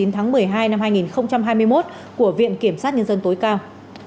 tháng một mươi hai năm hai nghìn hai mươi một của viện kiểm sát nhân dân tối cao